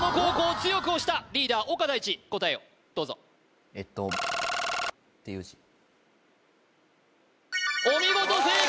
強く押したリーダー岡大智答えをどうぞえっとっていう字お見事正解！